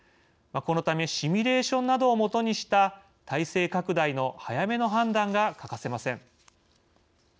このためシミュレーションなどを基にした体制拡大の早めの判断が欠かせません。